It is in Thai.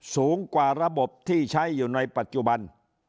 สูงกว่าระบบที่ใช้อยู่ในปัจจุบัน